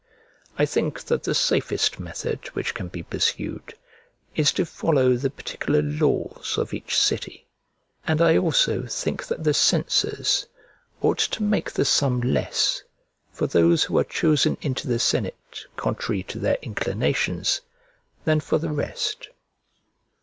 I think that the safest method which can be pursued is to follow the particular laws of each city; and I also think that the censors ought to make the sum less for those who are chosen into the senate contrary to their inclinations than for the rest.